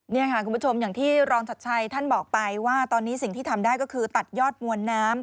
นี่ค่ะคุณผู้ชมอย่างที่รองชัดชัยท่านบอกไปว่าตอนนี้สิ่งที่ทำได้ก็คือตัดยอดมวลน้ำ